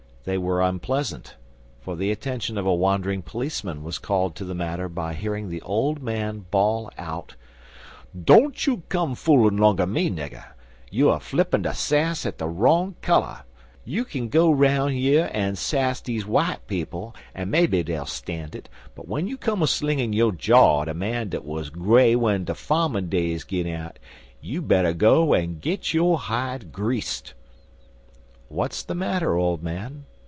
They were unpleasant, for the attention of a wandering policeman was called to the matter by hearing the old man bawl out: "Don't you come foolin' longer me, nigger. You er flippin' yo' sass at de wrong color. You k'n go roun' yer an' sass deze w'ite people, an' maybe dey'll stan' it, but w'en you come a slingin' yo' jaw at a man w'at wuz gray w'en de fahmin' days gin out, you better go an' git yo' hide greased." "What's the matter, old man?"